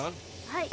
はい。